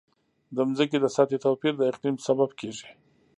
د ځمکې د سطحې توپیر د اقلیم سبب کېږي.